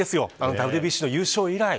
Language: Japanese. ＷＢＣの優勝以来。